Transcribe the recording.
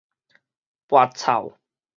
跋臭